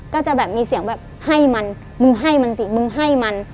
ก็จะแบบมีเสียงแบบให้มันมึงให้มันสิมึงให้มัน